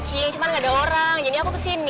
cuma gak ada orang jadi aku kesini